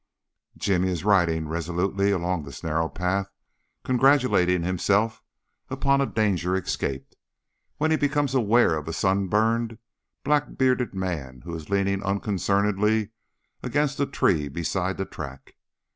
Jimmy is riding resolutely along this narrow path, congratulating himself upon a danger escaped, when he becomes aware of a sunburned, black bearded man who is leaning unconcernedly against a tree beside the track.